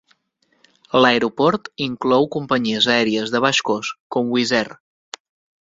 L'aeroport inclou companyies aèries de baix cost com Wizz Air